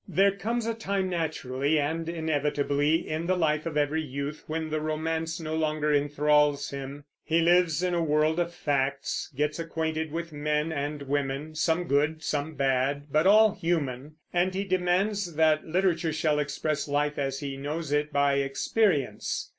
There comes a time, naturally and inevitably, in the life of every youth when the romance no longer enthralls him. He lives in a world of facts; gets acquainted with men and women, some good, some bad, but all human; and he demands that literature shall express life as he knows it by experience.